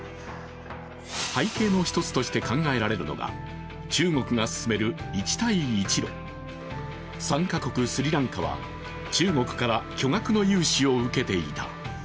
背景の一つとして考えられるのが中国が進める一帯一路、参加国スリランカは中国から巨額の融資を受けていた。